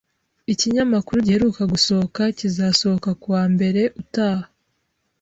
Ikinyamakuru giheruka gusohoka kizasohoka kuwa mbere utaha